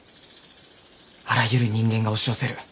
あらゆる人間が押し寄せる。